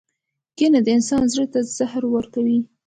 • کینه د انسان زړۀ ته زهر ورکوي.